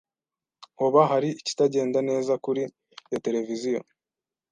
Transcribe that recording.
Hoba hari ikitagenda neza kuri iyo televiziyo?